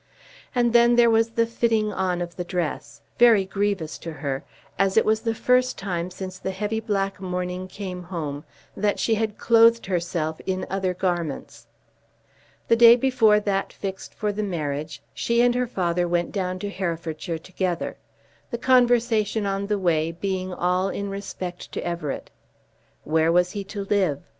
And then there was the fitting on of the dress, very grievous to her, as it was the first time since the heavy black mourning came home that she had clothed herself in other garments. The day before that fixed for the marriage she and her father went down to Herefordshire together, the conversation on the way being all in respect to Everett. Where was he to live?